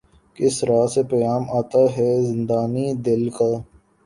کس رہ سے پیام آیا ہے زندانئ دل کا